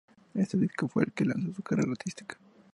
Este disco fue el que lanzó su carrera artística.